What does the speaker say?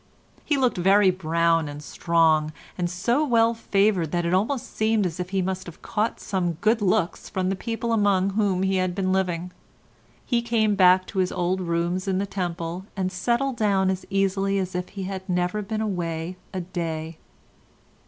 He looked very brown and strong, and so well favoured that it almost seemed as if he must have caught some good looks from the people among whom he had been living. He came back to his old rooms in the Temple, and settled down as easily as if he had never been away a day.